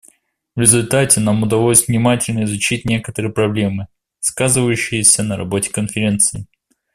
В результате нам удалось внимательно изучить некоторые проблемы, сказывающиеся на работе Конференции.